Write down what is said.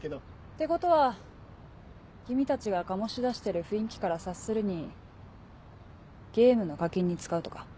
ってことは君たちが醸し出してる雰囲気から察するにゲームの課金に使うとか？